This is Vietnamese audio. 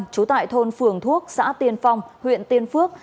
trú tại thôn phường thuốc xã tiên phong huyện tiên phước